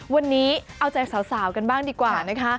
วันนี้เอาใจสาวกันบ้างดีกว่านะคะ